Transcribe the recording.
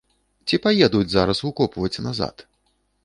Ці паедуць зараз укопваць назад?